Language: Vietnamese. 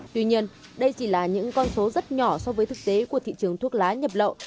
tuy nhiên đây chỉ là những con số rất nhỏ so với thực tế của thị trường thuốc lá nhập lậu